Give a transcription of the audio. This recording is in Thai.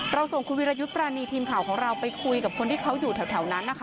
ส่งคุณวิรยุทธ์ปรานีทีมข่าวของเราไปคุยกับคนที่เขาอยู่แถวนั้นนะคะ